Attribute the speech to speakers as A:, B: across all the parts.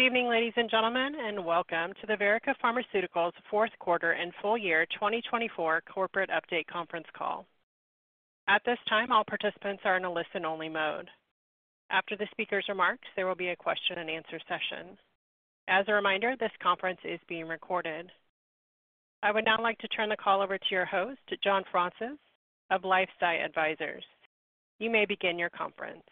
A: Good evening, ladies and gentlemen, and welcome to the Verrica Pharmaceuticals Fourth Quarter and Full Year 2024 Corporate Update Conference Call. At this time, all participants are in a listen-only mode. After the speaker's remarks, there will be a question-and-answer session. As a reminder, this conference is being recorded. I would now like to turn the call over to your host, John Fraunces of LifeSci Advisors. You may begin your conference.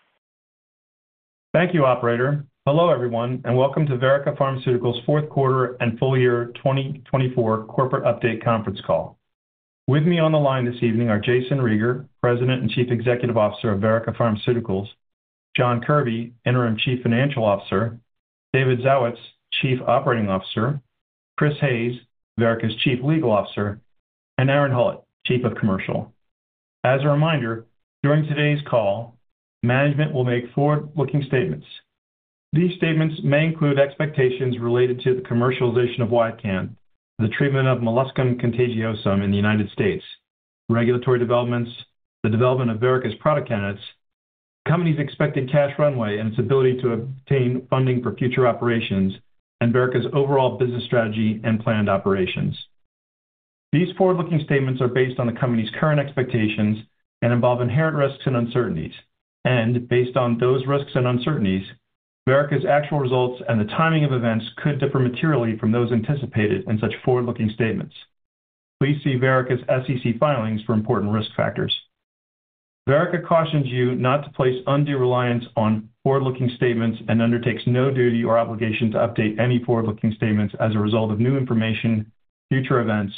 B: Thank you, Operator. Hello, everyone, and welcome to Verrica Pharmaceuticals Fourth Quarter and Full Year 2024 Corporate Update Conference Call. With me on the line this evening are Jayson Rieger, President and Chief Executive Officer of Verrica Pharmaceuticals; John Kirby, Interim Chief Financial Officer; David Zawitz, Chief Operating Officer; Chris Hayes, Verrica's Chief Legal Officer; and Aaron Hullett, Chief of Commercial. As a reminder, during today's call, management will make forward-looking statements. These statements may include expectations related to the commercialization of YCANTH, the treatment of molluscum contagiosum in the United States, regulatory developments, the development of Verrica's product candidates, the company's expected cash runway and its ability to obtain funding for future operations, and Verrica's overall business strategy and planned operations. These forward-looking statements are based on the company's current expectations and involve inherent risks and uncertainties. Based on those risks and uncertainties, Verrica's actual results and the timing of events could differ materially from those anticipated in such forward-looking statements. Please see Verrica's SEC filings for important risk factors. Verrica cautions you not to place undue reliance on forward-looking statements and undertakes no duty or obligation to update any forward-looking statements as a result of new information, future events,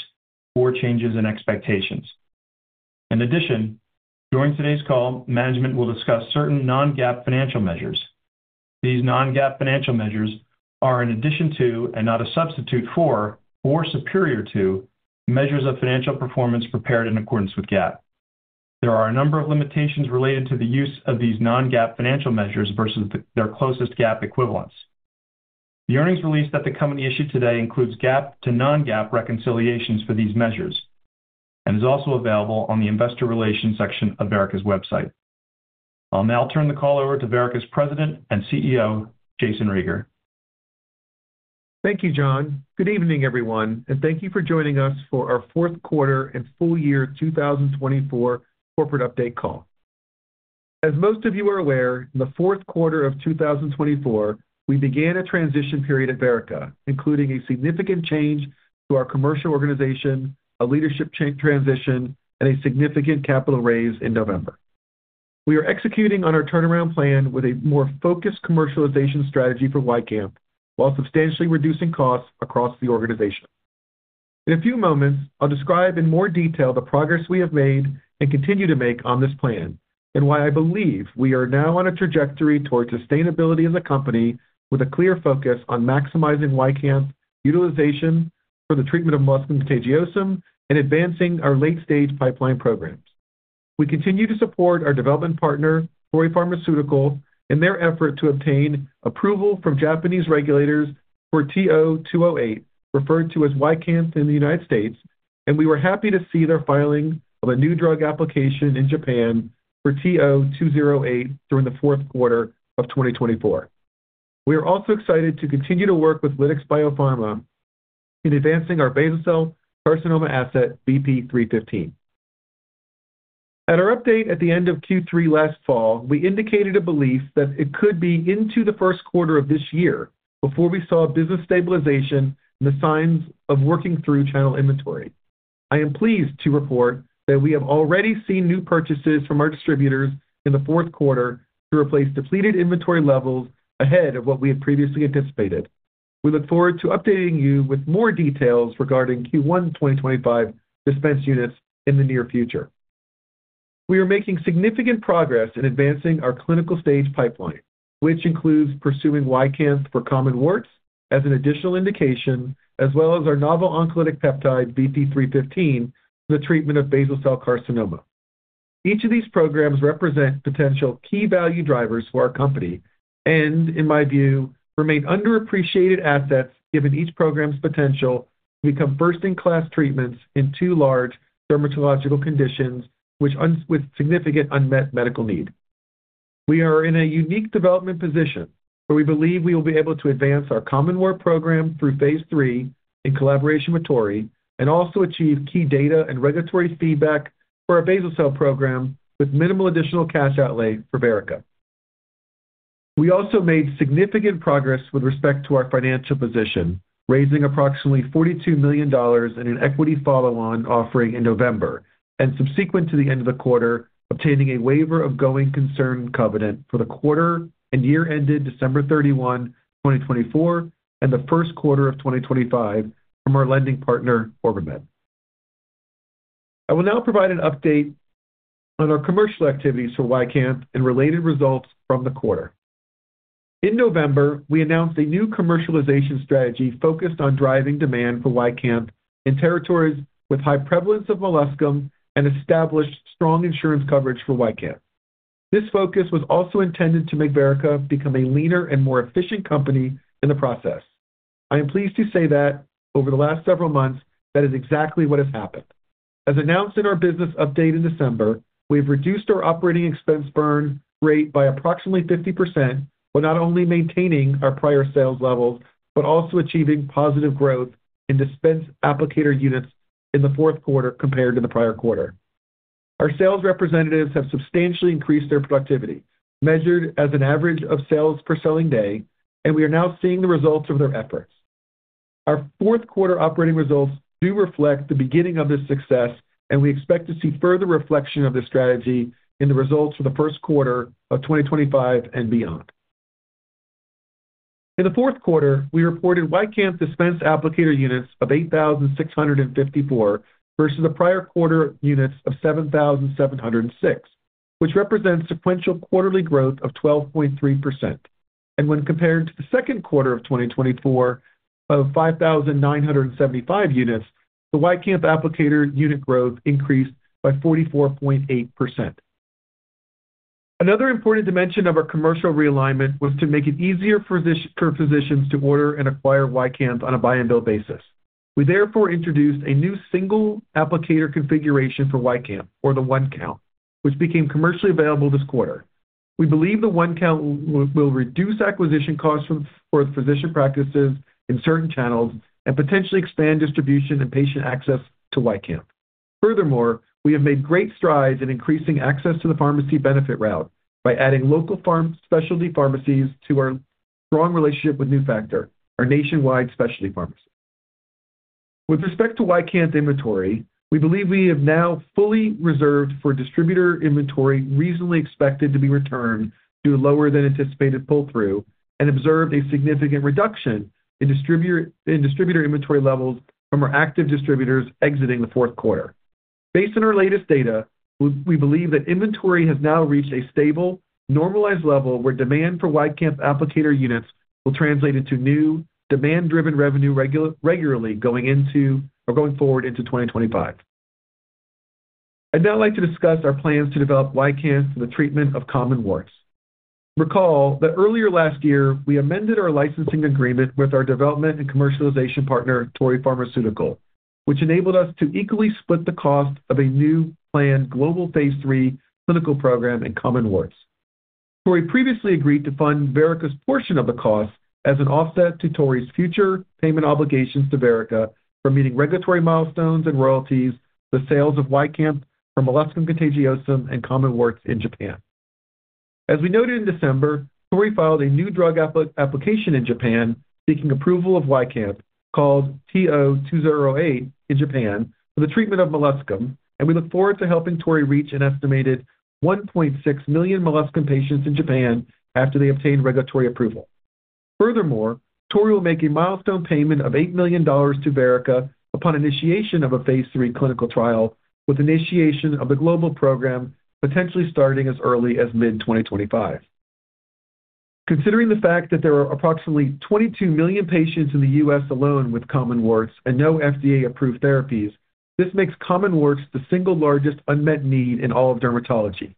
B: or changes in expectations. In addition, during today's call, management will discuss certain non-GAAP financial measures. These non-GAAP financial measures are in addition to, and not a substitute for, or superior to, measures of financial performance prepared in accordance with GAAP. There are a number of limitations related to the use of these non-GAAP financial measures versus their closest GAAP equivalents. The earnings release that the company issued today includes GAAP to non-GAAP reconciliations for these measures and is also available on the Investor Relations section of Verrica's website. I'll now turn the call over to Verrica's President and CEO, Jayson Rieger.
C: Thank you, John. Good evening, everyone, and thank you for joining us for our fourth quarter and full year 2024 corporate update call. As most of you are aware, in the fourth quarter of 2024, we began a transition period at Verrica, including a significant change to our commercial organization, a leadership transition, and a significant capital raise in November. We are executing on our turnaround plan with a more focused commercialization strategy for YCANTH while substantially reducing costs across the organization. In a few moments, I'll describe in more detail the progress we have made and continue to make on this plan and why I believe we are now on a trajectory towards sustainability as a company with a clear focus on maximizing YCANTH utilization for the treatment of molluscum contagiosum and advancing our late-stage pipeline programs. We continue to support our development partner, Torii Pharmaceutical, in their effort to obtain approval from Japanese regulators for TO-208, referred to as YCANTH in the United States, and we were happy to see their filing of a new drug application in Japan for TO-208 during the fourth quarter of 2024. We are also excited to continue to work with Lytix Biopharma in advancing our basal cell carcinoma asset, VP-315. At our update at the end of Q3 last fall, we indicated a belief that it could be into the first quarter of this year before we saw business stabilization and the signs of working through channel inventory. I am pleased to report that we have already seen new purchases from our distributors in the fourth quarter to replace depleted inventory levels ahead of what we had previously anticipated. We look forward to updating you with more details regarding Q1 2025 dispense units in the near future. We are making significant progress in advancing our clinical stage pipeline, which includes pursuing YCANTH for common warts as an additional indication, as well as our novel oncolytic peptide, VP-315, for the treatment of basal cell carcinoma. Each of these programs represent potential key value drivers for our company and, in my view, remain underappreciated assets given each program's potential to become first-in-class treatments in two large dermatological conditions with significant unmet medical need. We are in a unique development position where we believe we will be able to advance our common wart program through phase III in collaboration with Torii and also achieve key data and regulatory feedback for our basal cell program with minimal additional cash outlay for Verrica. We also made significant progress with respect to our financial position, raising approximately $42 million in an equity follow-on offering in November and subsequent to the end of the quarter, obtaining a waiver of going concern covenant for the quarter and year-ended December 31, 2024, and the first quarter of 2025 from our lending partner, OrbiMed. I will now provide an update on our commercial activities for YCANTH and related results from the quarter. In November, we announced a new commercialization strategy focused on driving demand for YCANTH in territories with high prevalence of molluscum and established strong insurance coverage for YCANTH. This focus was also intended to make Verrica become a leaner and more efficient company in the process. I am pleased to say that over the last several months, that is exactly what has happened. As announced in our business update in December, we have reduced our operating expense burn rate by approximately 50%, while not only maintaining our prior sales levels but also achieving positive growth in dispense applicator units in the fourth quarter compared to the prior quarter. Our sales representatives have substantially increased their productivity, measured as an average of sales per selling day, and we are now seeing the results of their efforts. Our fourth quarter operating results do reflect the beginning of this success, and we expect to see further reflection of this strategy in the results for the first quarter of 2025 and beyond. In the fourth quarter, we reported YCANTH dispense applicator units of 8,654 versus the prior quarter units of 7,706, which represents sequential quarterly growth of 12.3%. When compared to the second quarter of 2024 of 5,975 units, the YCANTH applicator unit growth increased by 44.8%. Another important dimension of our commercial realignment was to make it easier for physicians to order and acquire YCANTH on a buy-and-bill basis. We therefore introduced a new single applicator configuration for YCANTH, or the OneCount, which became commercially available this quarter. We believe the OneCount will reduce acquisition costs for physician practices in certain channels and potentially expand distribution and patient access to YCANTH. Furthermore, we have made great strides in increasing access to the pharmacy benefit route by adding local specialty pharmacies to our strong relationship with Nufactor, our nationwide specialty pharmacy. With respect to YCANTH inventory, we believe we have now fully reserved for distributor inventory reasonably expected to be returned due to lower-than-anticipated pull-through and observed a significant reduction in distributor inventory levels from our active distributors exiting the fourth quarter. Based on our latest data, we believe that inventory has now reached a stable, normalized level where demand for YCANTH applicator units will translate into new demand-driven revenue regularly going into or going forward into 2025. I'd now like to discuss our plans to develop YCANTH for the treatment of common warts. Recall that earlier last year, we amended our licensing agreement with our development and commercialization partner, Torii Pharmaceutical, which enabled us to equally split the cost of a new planned global phase III clinical program in common warts. Torii previously agreed to fund Verrica's portion of the cost as an offset to Torii's future payment obligations to Verrica for meeting regulatory milestones and royalties for the sales of YCANTH for molluscum contagiosum and common warts in Japan. As we noted in December, Torii filed a new drug application in Japan, seeking approval of YCANTH, called TO-208 in Japan, for the treatment of molluscum, and we look forward to helping Torii reach an estimated 1.6 million molluscum patients in Japan after they obtain regulatory approval. Furthermore, Torii will make a milestone payment of $8 million to Verrica upon initiation of a phase III clinical trial, with initiation of the global program potentially starting as early as mid-2025. Considering the fact that there are approximately 22 million patients in the U.S. Alone with common warts and no FDA-approved therapies, this makes common warts the single largest unmet need in all of dermatology.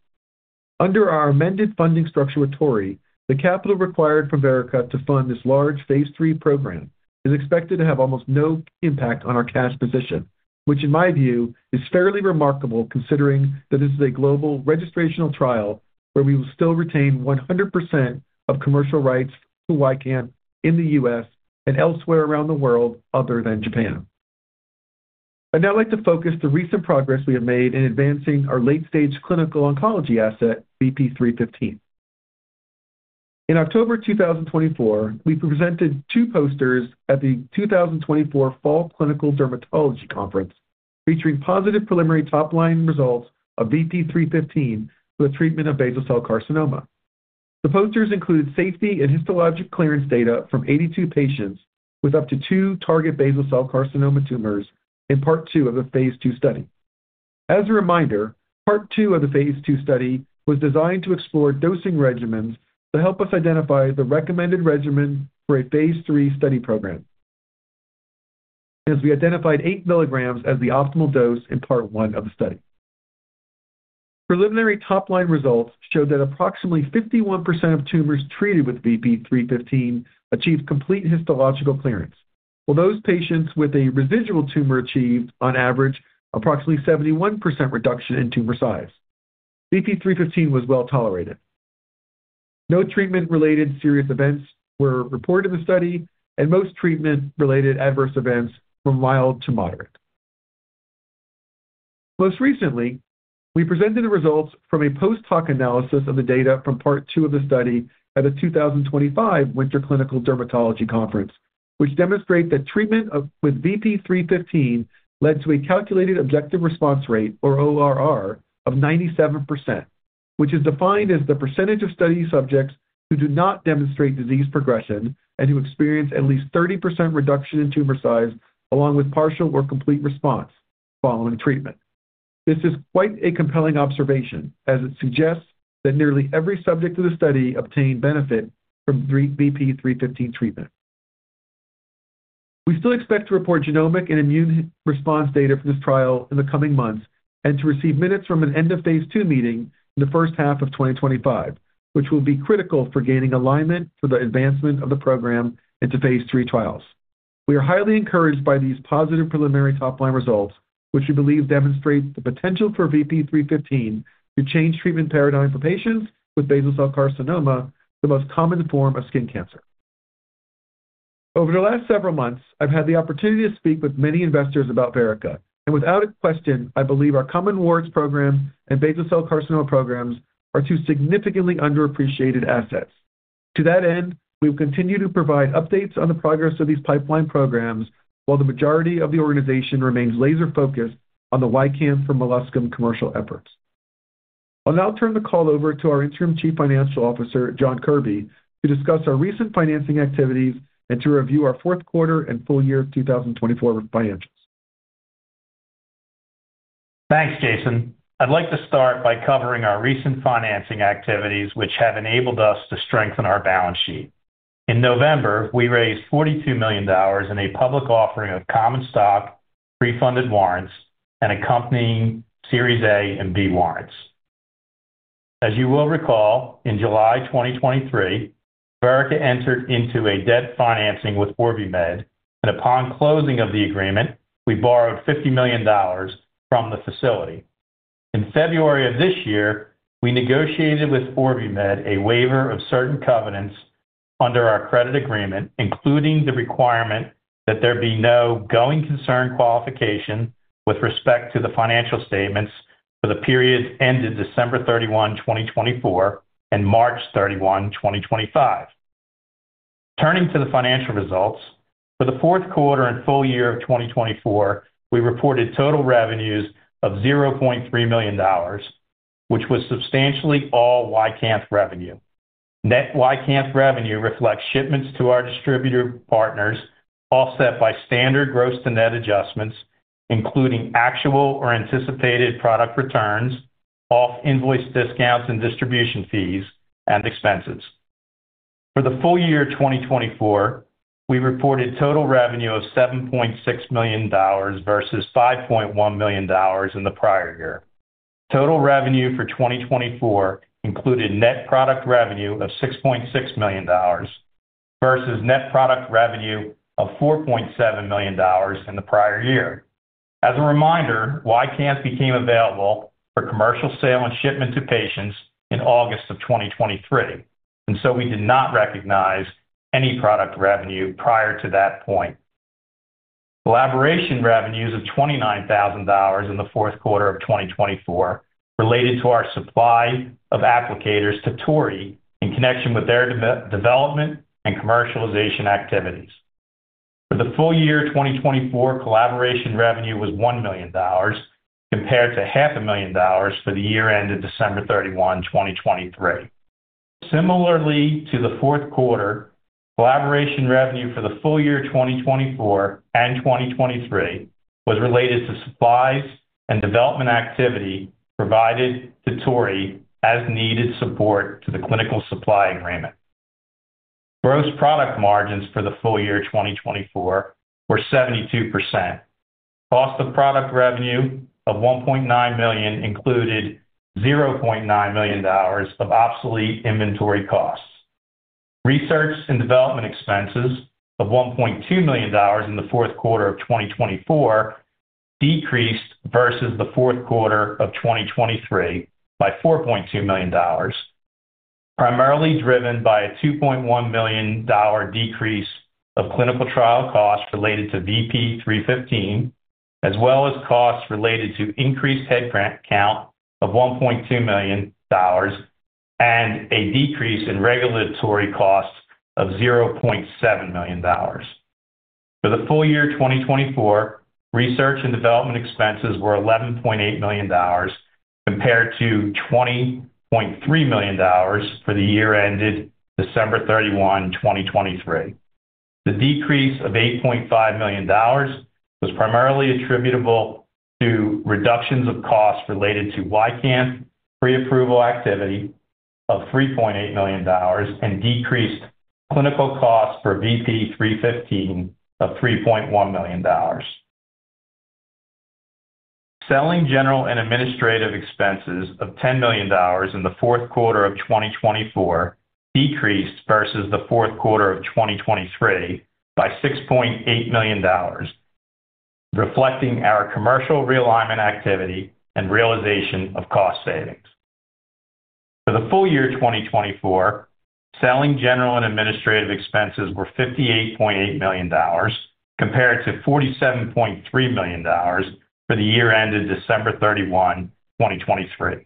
C: Under our amended funding structure with Torii, the capital required from Verrica to fund this large phase III program is expected to have almost no impact on our cash position, which, in my view, is fairly remarkable considering that this is a global registrational trial where we will still retain 100% of commercial rights to YCANTH in the U.S. and elsewhere around the world other than Japan. I'd now like to focus on the recent progress we have made in advancing our late-stage clinical oncology asset, VP-315. In October 2024, we presented two posters at the 2024 Fall Clinical Dermatology Conference featuring positive preliminary top-line results of VP-315 for the treatment of basal cell carcinoma. The posters included safety and histologic clearance data from 82 patients with up to two target basal cell carcinoma tumors in part two of the phase II study. As a reminder, part two of the phase II study was designed to explore dosing regimens to help us identify the recommended regimen for a phase III study program, as we identified 8 milligrams as the optimal dose in part one of the study. Preliminary top-line results showed that approximately 51% of tumors treated with VP-315 achieved complete histological clearance, while those patients with a residual tumor achieved, on average, approximately 71% reduction in tumor size. VP-315 was well tolerated. No treatment-related serious events were reported in the study, and most treatment-related adverse events were mild to moderate. Most recently, we presented the results from a post-hoc analysis of the data from part two of the study at the 2025 Winter Clinical Dermatology Conference, which demonstrates that treatment with VP-315 led to a calculated objective response rate, or ORR, of 97%, which is defined as the percentage of study subjects who do not demonstrate disease progression and who experience at least 30% reduction in tumor size along with partial or complete response following treatment. This is quite a compelling observation, as it suggests that nearly every subject of the study obtained benefit from VP-315 treatment. We still expect to report genomic and immune response data from this trial in the coming months and to receive minutes from an end-of-phase II meeting in the first half of 2025, which will be critical for gaining alignment for the advancement of the program into phase III trials. We are highly encouraged by these positive preliminary top-line results, which we believe demonstrate the potential for VP-315 to change treatment paradigm for patients with basal cell carcinoma, the most common form of skin cancer. Over the last several months, I've had the opportunity to speak with many investors about Verrica, and without a question, I believe our common warts program and basal cell carcinoma programs are two significantly underappreciated assets. To that end, we will continue to provide updates on the progress of these pipeline programs while the majority of the organization remains laser-focused on the YCANTH for molluscum commercial efforts. I'll now turn the call over to our Interim Chief Financial Officer, John Kirby, to discuss our recent financing activities and to review our fourth quarter and full year 2024 financials.
D: Thanks, Jayson. I'd like to start by covering our recent financing activities, which have enabled us to strengthen our balance sheet. In November, we raised $42 million in a public offering of common stock, pre-funded warrants, and accompanying Series A and B warrants. As you will recall, in July 2023, Verrica entered into a debt financing with OrbiMed, and upon closing of the agreement, we borrowed $50 million from the facility. In February of this year, we negotiated with OrbiMed a waiver of certain covenants under our credit agreement, including the requirement that there be no going concern qualification with respect to the financial statements for the period ended December 31, 2024, and March 31, 2025. Turning to the financial results, for the fourth quarter and full year of 2024, we reported total revenues of $0.3 million, which was substantially all YCANTH revenue. Net YCANTH revenue reflects shipments to our distributor partners, offset by standard gross to net adjustments, including actual or anticipated product returns, off-invoice discounts and distribution fees, and expenses. For the full year 2024, we reported total revenue of $7.6 million versus $5.1 million in the prior year. Total revenue for 2024 included net product revenue of $6.6 million versus net product revenue of $4.7 million in the prior year. As a reminder, Ycanth became available for commercial sale and shipment to patients in August of 2023, and so we did not recognize any product revenue prior to that point. Collaboration revenues of $29,000 in the fourth quarter of 2024 related to our supply of applicators to Torii in connection with their development and commercialization activities. For the full year 2024, collaboration revenue was $1 million, compared to $500,000 for the year-end of December 31, 2023. Similarly, to the fourth quarter, collaboration revenue for the full year 2024 and 2023 was related to supplies and development activity provided to Torii as needed support to the clinical supply agreement. Gross product margins for the full year 2024 were 72%. Cost of product revenue of $1.9 million included $0.9 million of obsolete inventory costs. Research and development expenses of $1.2 million in the fourth quarter of 2024 decreased versus the fourth quarter of 2023 by $4.2 million, primarily driven by a $2.1 million decrease of clinical trial costs related to VP-315, as well as costs related to increased headcount of $1.2 million and a decrease in regulatory costs of $0.7 million. For the full year 2024, research and development expenses were $11.8 million, compared to $20.3 million for the year-ended December 31, 2023. The decrease of $8.5 million was primarily attributable to reductions of costs related to YCANTH pre-approval activity of $3.8 million and decreased clinical costs for VP-315 of $3.1 million. Selling, general and administrative expenses of $10 million in the fourth quarter of 2024 decreased versus the fourth quarter of 2023 by $6.8 million, reflecting our commercial realignment activity and realization of cost savings. For the full year 2024, selling, general and administrative expenses were $58.8 million, compared to $47.3 million for the year ended December 31, 2023.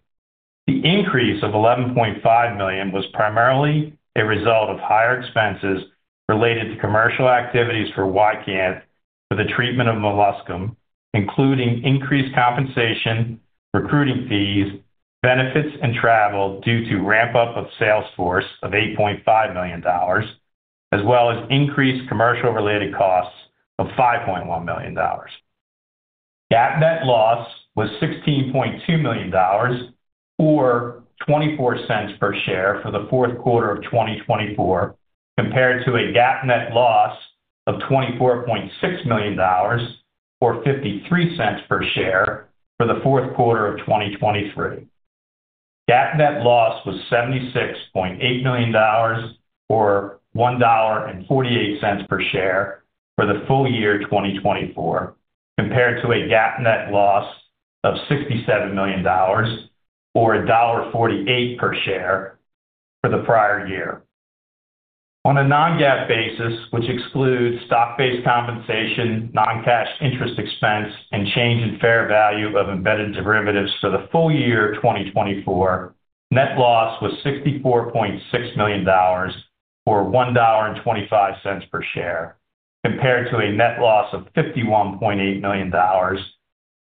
D: The increase of $11.5 million was primarily a result of higher expenses related to commercial activities for YCANTH for the treatment of molluscum, including increased compensation, recruiting fees, benefits, and travel due to ramp-up of sales force of $8.5 million, as well as increased commercial-related costs of $5.1 million. GAAP net loss was $16.2 million, or $0.24 per share for the fourth quarter of 2024, compared to a GAAP net loss of $24.6 million, or $0.53 per share for the fourth quarter of 2023. GAAP net loss was $76.8 million, or $1.48 per share for the full year 2024, compared to a GAAP net loss of $67 million, or $1.48 per share for the prior year. On a non-GAAP basis, which excludes stock-based compensation, non-cash interest expense, and change in fair value of embedded derivatives for the full year 2024, net loss was $64.6 million, or $1.25 per share, compared to a net loss of $51.8 million,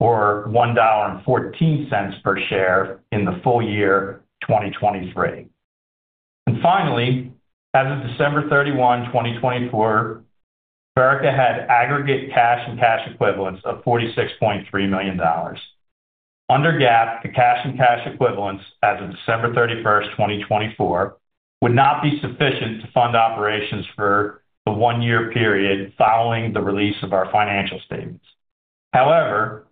D: or $1.14 per share in the full year 2023. Finally, as of December 31, 2024, Verrica had aggregate cash and cash equivalents of $46.3 million. Under GAAP, the cash and cash equivalents as of December 31, 2024, would not be sufficient to fund operations for the one-year period following the release of our financial statements. However,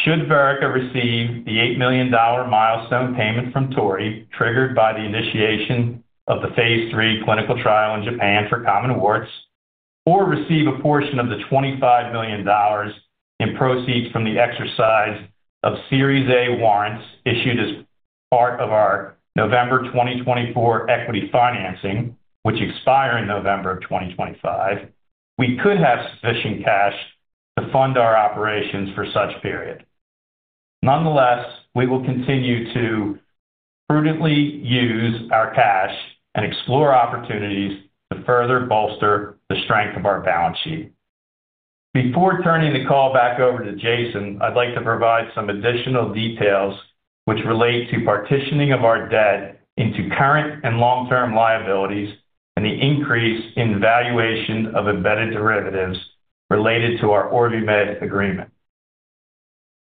D: should Verrica receive the $8 million milestone payment from Torii triggered by the initiation of the phase III clinical trial in Japan for common warts, or receive a portion of the $25 million in proceeds from the exercise of Series A warrants issued as part of our November 2024 equity financing, which expire in November of 2025, we could have sufficient cash to fund our operations for such a period. Nonetheless, we will continue to prudently use our cash and explore opportunities to further bolster the strength of our balance sheet. Before turning the call back over to Jayson, I'd like to provide some additional details which relate to partitioning of our debt into current and long-term liabilities and the increase in valuation of embedded derivatives related to our OrbiMed agreement.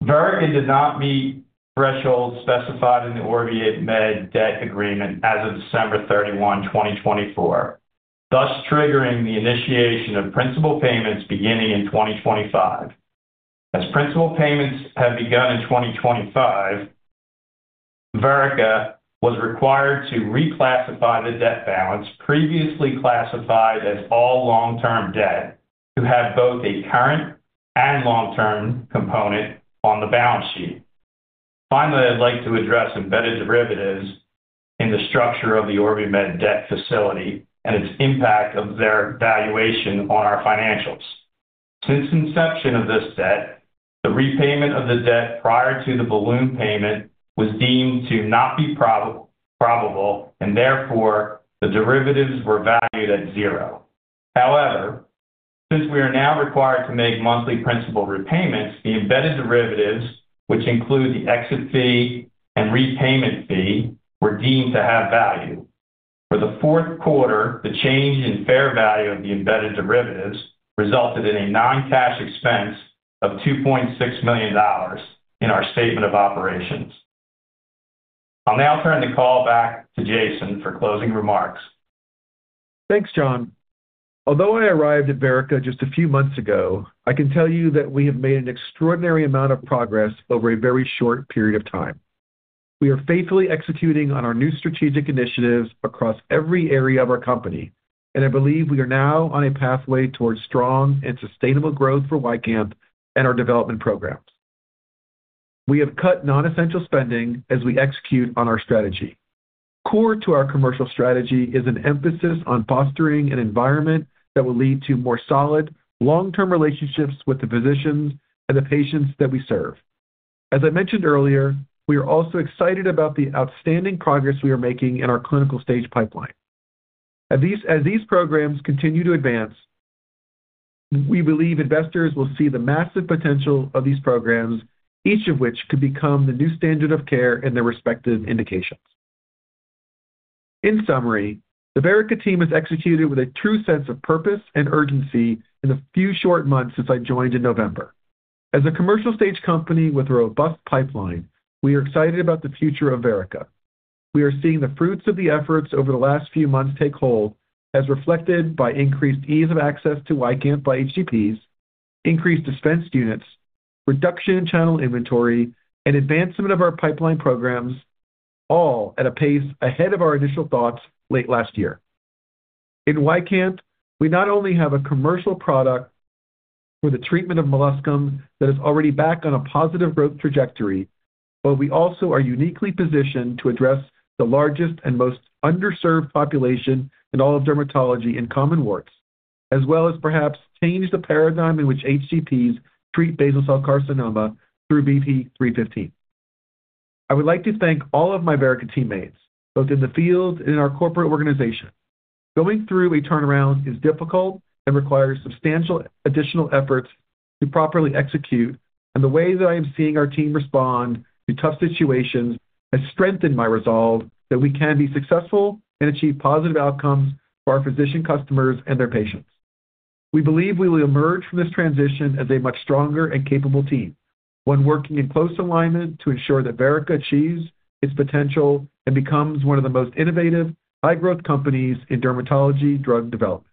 D: Verrica did not meet thresholds specified in the OrbiMed debt agreement as of December 31, 2024, thus triggering the initiation of principal payments beginning in 2025. As principal payments have begun in 2025, Verrica was required to reclassify the debt balance previously classified as all long-term debt to have both a current and long-term component on the balance sheet. Finally, I'd like to address embedded derivatives in the structure of the OrbiMed debt facility and its impact of their valuation on our financials. Since inception of this debt, the repayment of the debt prior to the balloon payment was deemed to not be probable, and therefore, the derivatives were valued at zero. However, since we are now required to make monthly principal repayments, the embedded derivatives, which include the exit fee and repayment fee, were deemed to have value. For the fourth quarter, the change in fair value of the embedded derivatives resulted in a non-cash expense of $2.6 million in our statement of operations. I'll now turn the call back to Jayson for closing remarks.
C: Thanks, John. Although I arrived at Verrica just a few months ago, I can tell you that we have made an extraordinary amount of progress over a very short period of time. We are faithfully executing on our new strategic initiatives across every area of our company, and I believe we are now on a pathway towards strong and sustainable growth for Verrica and our development programs. We have cut non-essential spending as we execute on our strategy. Core to our commercial strategy is an emphasis on fostering an environment that will lead to more solid, long-term relationships with the physicians and the patients that we serve. As I mentioned earlier, we are also excited about the outstanding progress we are making in our clinical stage pipeline. As these programs continue to advance, we believe investors will see the massive potential of these programs, each of which could become the new standard of care in their respective indications. In summary, the Verrica team has executed with a true sense of purpose and urgency in the few short months since I joined in November. As a commercial stage company with a robust pipeline, we are excited about the future of Verrica. We are seeing the fruits of the efforts over the last few months take hold, as reflected by increased ease of access to YCANTH by HCPs, increased dispensed units, reduction in channel inventory, and advancement of our pipeline programs, all at a pace ahead of our initial thoughts late last year. In Verrica, we not only have a commercial product for the treatment of molluscum that is already back on a positive growth trajectory, but we also are uniquely positioned to address the largest and most underserved population in all of dermatology in common warts, as well as perhaps change the paradigm in which HCPs treat basal cell carcinoma through VP-315. I would like to thank all of my Verrica teammates, both in the field and in our corporate organization. Going through a turnaround is difficult and requires substantial additional efforts to properly execute, and the way that I am seeing our team respond to tough situations has strengthened my resolve that we can be successful and achieve positive outcomes for our physician customers and their patients. We believe we will emerge from this transition as a much stronger and capable team when working in close alignment to ensure that Verrica achieves its potential and becomes one of the most innovative, high-growth companies in dermatology drug development.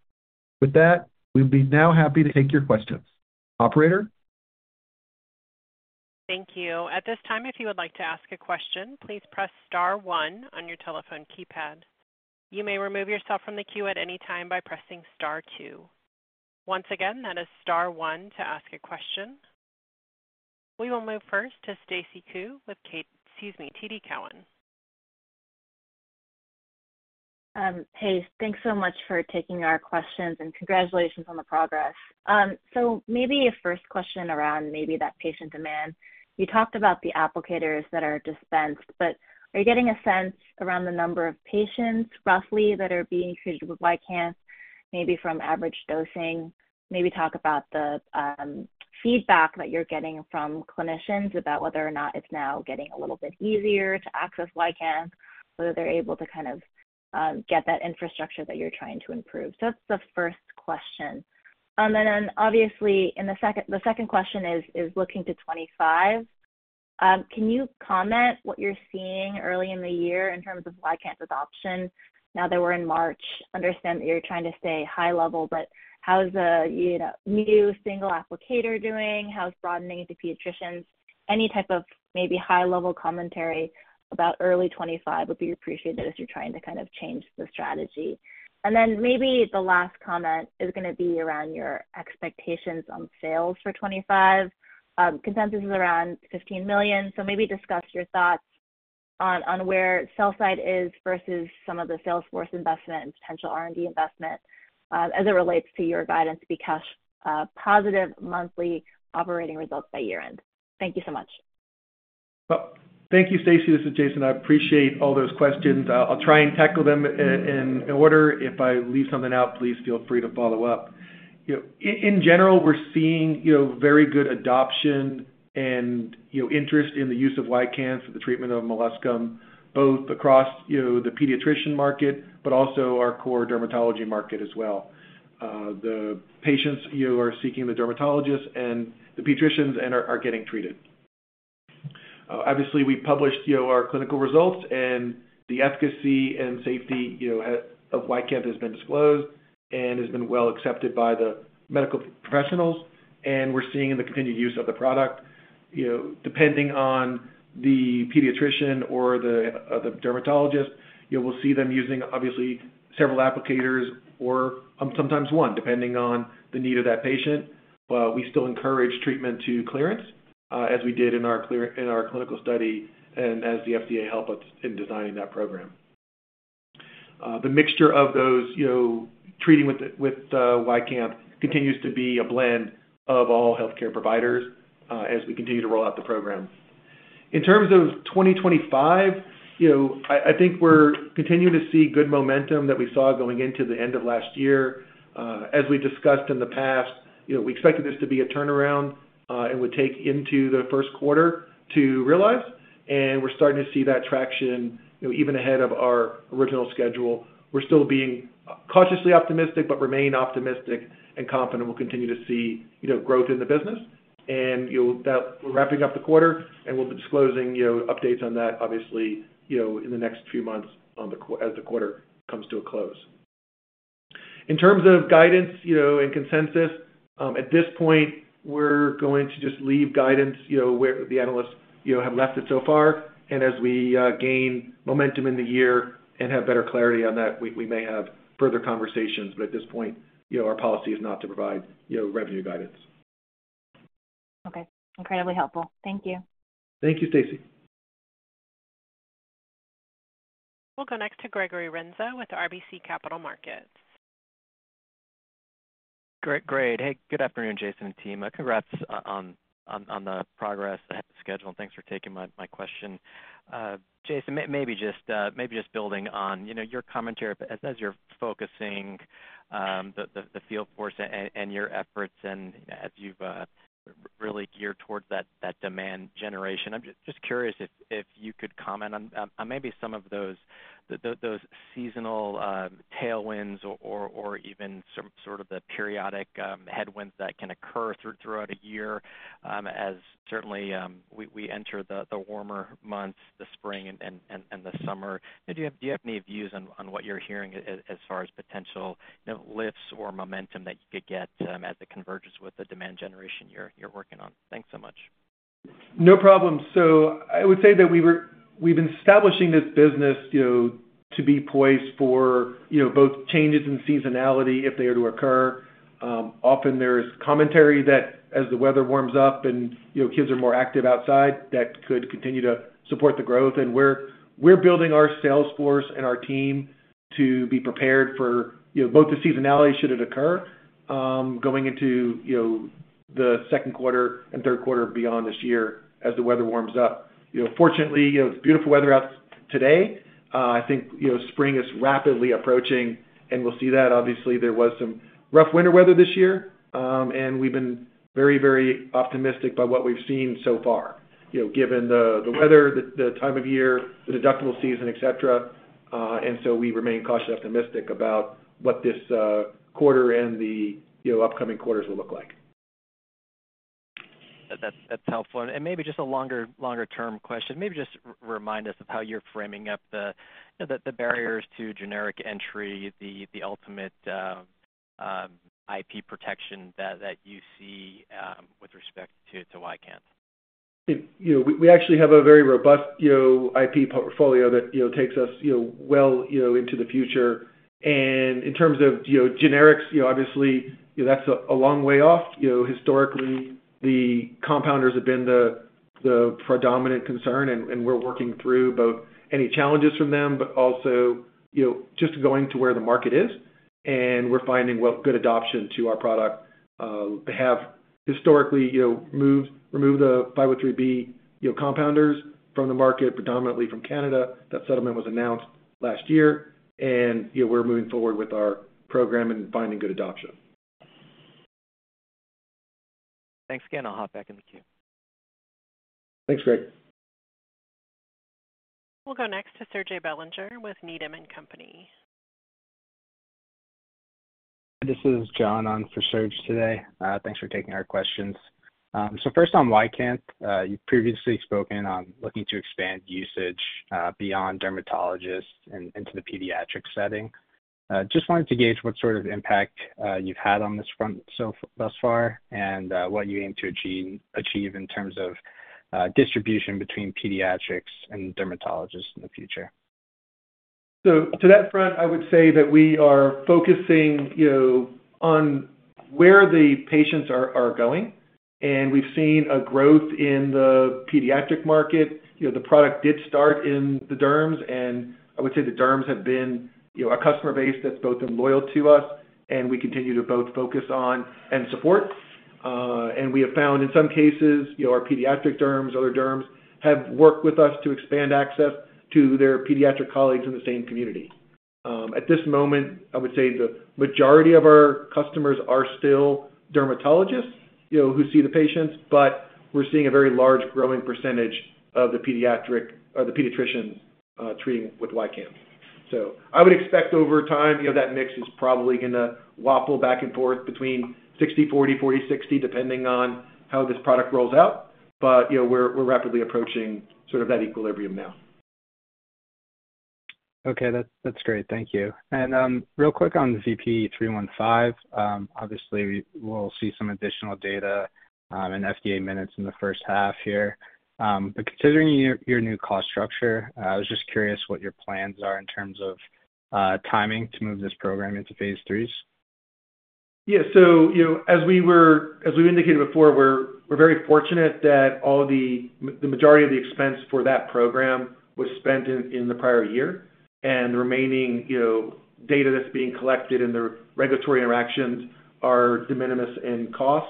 C: With that, we would be now happy to take your questions. Operator?
A: Thank you. At this time, if you would like to ask a question, please press star one on your telephone keypad. You may remove yourself from the queue at any time by pressing star two. Once again, that is star one to ask a question. We will move first to Stacy Ku with TD Cowen.
E: Hey, thanks so much for taking our questions, and congratulations on the progress. Maybe a first question around maybe that patient demand. You talked about the applicators that are dispensed, but are you getting a sense around the number of patients roughly that are being treated with YCANTH, maybe from average dosing? Maybe talk about the feedback that you're getting from clinicians about whether or not it's now getting a little bit easier to access YCANTH, whether they're able to kind of get that infrastructure that you're trying to improve. That's the first question. Obviously, the second question is looking to 2025. Can you comment on what you're seeing early in the year in terms of YCANTH adoption now that we're in March? I understand that you're trying to stay high level, but how's the new single applicator doing? How's broadening into pediatricians? Any type of maybe high-level commentary about early 2025 would be appreciated if you're trying to kind of change the strategy. Maybe the last comment is going to be around your expectations on sales for 2025. Consensus is around $15 million, so maybe discuss your thoughts on where sell-side is versus some of the sales force investment and potential R&D investment as it relates to your guidance to be cash positive monthly operating results by year-end. Thank you so much.
C: Thank you, Stacy. This is Jayson. I appreciate all those questions. I'll try and tackle them in order. If I leave something out, please feel free to follow up. In general, we're seeing very good adoption and interest in the use of YCANTH for the treatment of molluscum, both across the pediatrician market but also our core dermatology market as well. The patients are seeking the dermatologists and the pediatricians and are getting treated. Obviously, we published our clinical results, and the efficacy and safety of YCANTH has been disclosed and has been well accepted by the medical professionals. We are seeing the continued use of the product. Depending on the pediatrician or the dermatologist, we will see them using, obviously, several applicators or sometimes one, depending on the need of that patient. We still encourage treatment to clearance, as we did in our clinical study and as the FDA helped us in designing that program. The mixture of those treating with YCANTH continues to be a blend of all healthcare providers as we continue to roll out the program. In terms of 2025, I think we are continuing to see good momentum that we saw going into the end of last year. As we discussed in the past, we expected this to be a turnaround and would take into the first quarter to realize. We're starting to see that traction even ahead of our original schedule. We're still being cautiously optimistic but remain optimistic and confident we'll continue to see growth in the business. We're wrapping up the quarter, and we'll be disclosing updates on that, obviously, in the next few months as the quarter comes to a close. In terms of guidance and consensus, at this point, we're going to just leave guidance where the analysts have left it so far. As we gain momentum in the year and have better clarity on that, we may have further conversations. At this point, our policy is not to provide revenue guidance.
E: Okay. Incredibly helpful. Thank you.
C: Thank you, Stacy.
A: We'll go next to Gregory Renza with RBC Capital Markets.
F: Great. Hey, good afternoon, Jayson and team. Congrats on the progress schedule. Thanks for taking my question. Jayson, maybe just building on your commentary as you're focusing the field force and your efforts and as you've really geared towards that demand generation. I'm just curious if you could comment on maybe some of those seasonal tailwinds or even sort of the periodic headwinds that can occur throughout a year as certainly we enter the warmer months, the spring and the summer. Do you have any views on what you're hearing as far as potential lifts or momentum that you could get as it converges with the demand generation you're working on? Thanks so much.
C: No problem. I would say that we've been establishing this business to be poised for both changes in seasonality if they are to occur. Often, there is commentary that as the weather warms up and kids are more active outside, that could continue to support the growth. We're building our sales force and our team to be prepared for both the seasonality should it occur going into the second quarter and third quarter beyond this year as the weather warms up. Fortunately, it's beautiful weather out today. I think spring is rapidly approaching, and we'll see that. Obviously, there was some rough winter weather this year, and we've been very, very optimistic by what we've seen so far, given the weather, the time of year, the deductible season, etc. We remain cautiously optimistic about what this quarter and the upcoming quarters will look like.
F: That's helpful. Maybe just a longer-term question. Maybe just remind us of how you're framing up the barriers to generic entry, the ultimate IP protection that you see with respect to YCANTH.
C: We actually have a very robust IP portfolio that takes us well into the future. In terms of generics, obviously, that's a long way off. Historically, the compounders have been the predominant concern, and we're working through both any challenges from them, but also just going to where the market is. We're finding good adoption to our product. They have historically removed the 503B compounders from the market, predominantly from Canada. That settlement was announced last year, and we're moving forward with our program and finding good adoption.
F: Thanks again. I'll hop back in the queue.
C: Thanks, Greg.
A: We'll go next to Serge Belanger with Needham & Company. This is John on for Serge today. Thanks for taking our questions. First on YCANTH, you've previously spoken on looking to expand usage beyond dermatologists into the pediatric setting. Just wanted to gauge what sort of impact you've had on this front thus far and what you aim to achieve in terms of distribution between pediatrics and dermatologists in the future.
C: To that front, I would say that we are focusing on where the patients are going. We've seen a growth in the pediatric market. The product did start in the derms, and I would say the derms have been a customer base that's both been loyal to us, and we continue to both focus on and support. We have found, in some cases, our pediatric derms, other derms, have worked with us to expand access to their pediatric colleagues in the same community. At this moment, I would say the majority of our customers are still dermatologists who see the patients, but we're seeing a very large growing percentage of the pediatricians treating with YCANTH. I would expect over time that mix is probably going to wobble back and forth between 60-40, 40-60, depending on how this product rolls out. We're rapidly approaching sort of that equilibrium now. Okay. That's great. Thank you. Real quick on VP-315, obviously, we'll see some additional data and FDA minutes in the first half here. Considering your new cost structure, I was just curious what your plans are in terms of timing to move this program into phase threes. Yeah. As we indicated before, we're very fortunate that the majority of the expense for that program was spent in the prior year, and the remaining data that's being collected and the regulatory interactions are de minimis in cost.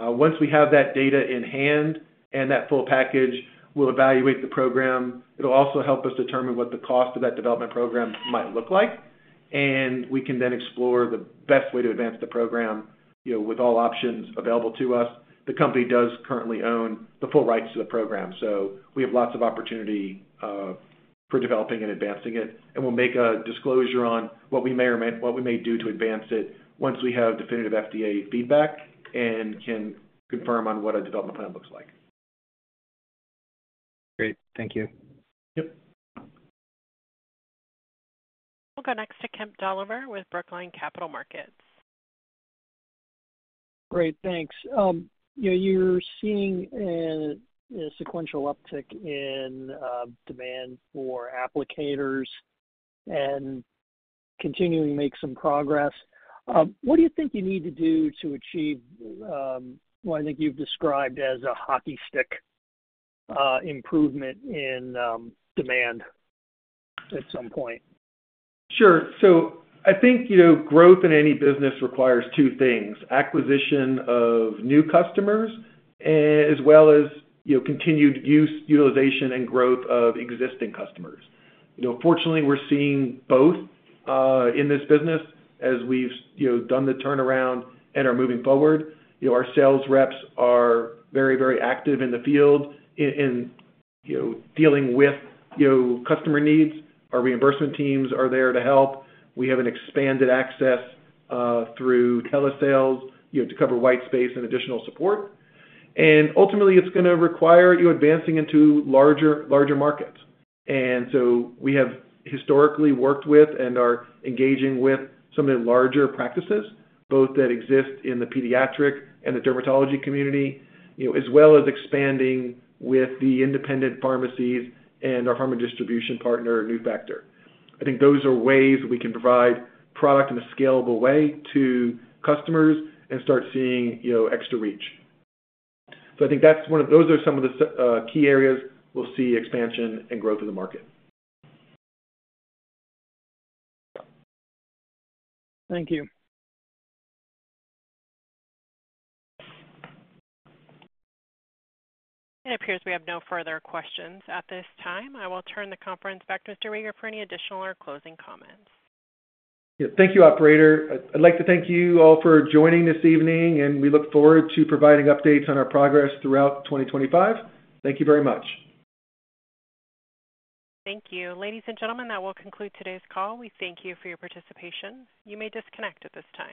C: Once we have that data in hand and that full package, we'll evaluate the program. It'll also help us determine what the cost of that development program might look like, and we can then explore the best way to advance the program with all options available to us. The company does currently own the full rights to the program, so we have lots of opportunity for developing and advancing it. We'll make a disclosure on what we may do to advance it once we have definitive FDA feedback and can confirm on what a development plan looks like. Great. Thank you. Yep.
A: We'll go next to Kemp Dolliver with Brookline Capital Markets.
G: Great. Thanks. You're seeing a sequential uptick in demand for applicators and continuing to make some progress. What do you think you need to do to achieve what I think you've described as a hockey stick improvement in demand at some point?
C: Sure. I think growth in any business requires two things: acquisition of new customers as well as continued use, utilization, and growth of existing customers. Fortunately, we're seeing both in this business as we've done the turnaround and are moving forward. Our sales reps are very, very active in the field in dealing with customer needs. Our reimbursement teams are there to help. We have an expanded access through telesales to cover white space and additional support. Ultimately, it's going to require advancing into larger markets. We have historically worked with and are engaging with some of the larger practices, both that exist in the pediatric and the dermatology community, as well as expanding with the independent pharmacies and our pharma distribution partner, Nufactor. I think those are ways we can provide product in a scalable way to customers and start seeing extra reach. I think that's one of those are some of the key areas we'll see expansion and growth in the market.
G: Thank you.
A: It appears we have no further questions at this time. I will turn the conference back to Mr. Rieger for any additional or closing comments.
C: Thank you, Operator. I'd like to thank you all for joining this evening, and we look forward to providing updates on our progress throughout 2025. Thank you very much.
A: Thank you. Ladies and gentlemen, that will conclude today's call. We thank you for your participation. You may disconnect at this time.